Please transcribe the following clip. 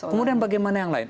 kemudian bagaimana yang lain